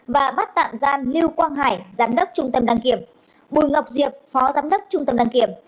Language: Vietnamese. và bắt tạm giam lưu quang hải giám đốc trung tâm đăng kiểm bùi ngọc diệp phó giám đốc trung tâm đăng kiểm